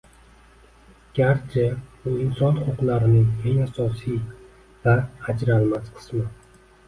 Garchi bu inson huquqlarining eng asosiy va ajralmas qismi